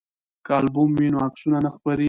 که البوم وي نو عکسونه نه خپریږي.